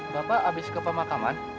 bapak habis ke pemakaman